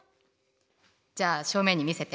じゃあ正面に見せて。